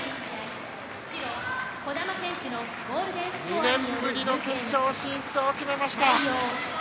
２年ぶりの決勝進出を決めました。